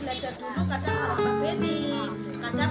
kita mau ke sini dulu